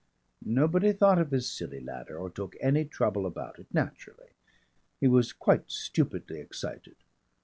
Nobody thought of his silly ladder or took any trouble about it, naturally. He was quite stupidly excited.